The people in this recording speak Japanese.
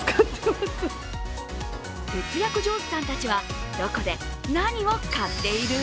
節約上手さんたちは、どこで、何を買っている？